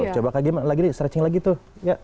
coba kak gimana lagi deh stretching lagi tuh